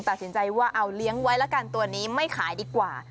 ตัดสินใจว่าเอาเลี้ยงไว้ละกันตัวนี้ไม่ขายดีกว่า